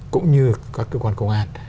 cũng như các cơ quan công an